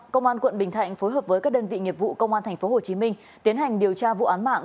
công an quận bình thạnh phối hợp với các đơn vị nghiệp vụ công an tp hcm tiến hành điều tra vụ án mạng